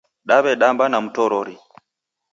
Dawedamba na mtorori